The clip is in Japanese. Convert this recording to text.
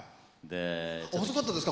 細かったですか？